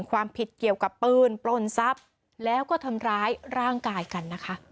ความผิดเกี่ยวกับปืนปล้นทรัพย์แล้วก็ทำร้ายร่างกายกันนะคะ